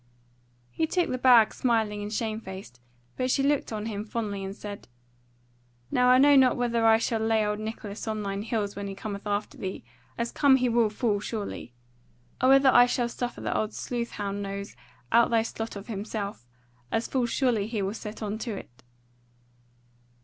He took the bag smiling and shame faced, but she looked on him fondly and said: "Now I know not whether I shall lay old Nicholas on thine heels when he cometh after thee, as come he will full surely; or whether I shall suffer the old sleuth hound nose out thy slot of himself, as full surely he will set on to it."